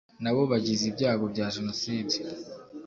na bo bagize ibyago bya genocide